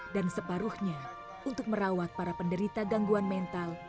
dan separuhnya untuk merawat para penderita gangguan mental